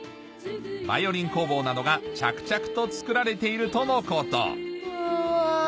バイオリン工房などが着々と作られているとのことうわ